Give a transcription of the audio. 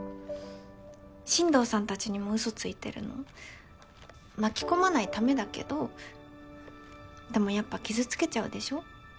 進藤さんたちにもうそついてるの巻き込まないためだけどでもやっぱ傷つけちゃうでしょ？